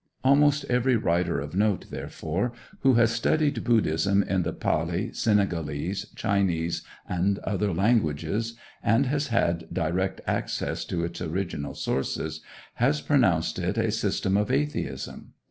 Almost every writer of note, therefore, who has studied Buddhism in the Pâli, Singhalese, Chinese, and other languages, and has had direct access to its original sources, has pronounced it a system of atheism.